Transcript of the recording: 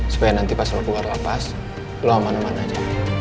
supaya nanti pas lo keluar lapas lo aman aman aja